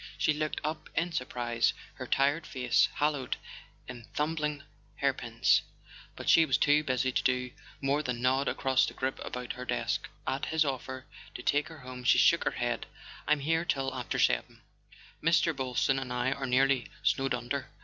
She looked up in surprise, her tired face haloed in tumbling hairpins; but she was too busy to do more than nod across the group about her desk. At his offer to take her home she shook her head. "I'm here till after seven. Mr. Boylston and I are nearly snowed under.